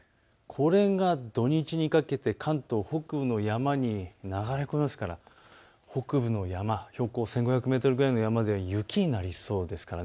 これが土日にかけて関東北部の山に流れ込みますから、北部の山、標高１５００メートルぐらいの山では雪になりそうです。